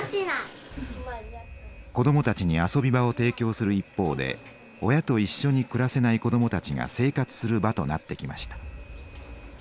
子どもたちに遊び場を提供する一方で親と一緒に暮らせない子どもたちが生活する場となってきました。